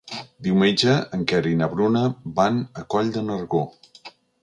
Diumenge en Quer i na Bruna van a Coll de Nargó.